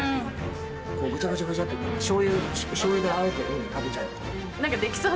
こうぐちゃぐちゃぐちゃってしょう油しょう油であえて食べちゃうとか。